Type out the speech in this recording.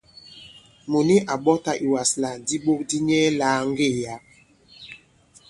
Mùt nik à ɓɔtā ìwaslàk di iɓok di nyɛ lāa ŋgê yǎ.